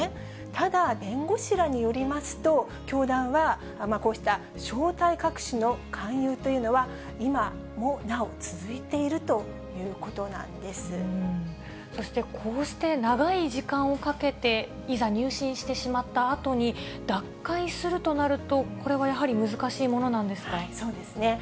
ただ、弁護士らによりますと、教団はこうした正体隠しの勧誘というのは、今もなお続いているとそして、こうして長い時間をかけて、いざ入信してしまったあとに、脱会するとなると、これはそうですね。